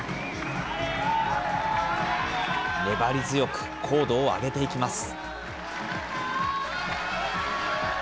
粘り強く、高度を上げていきます。